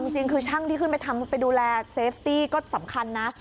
จริงคือช่างที่ขึ้นไปดูแลเซฟตี้ก็สำคัญนะ